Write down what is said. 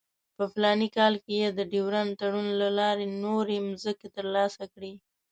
په فلاني کال کې یې د ډیورنډ تړون له لارې نورې مځکې ترلاسه کړې.